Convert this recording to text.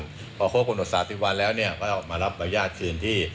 ค่อยหัวผลทดสอบวันแล้วลำมารับรรยาทเชิญที่